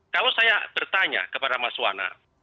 kalau saya bertanya kepada mas wana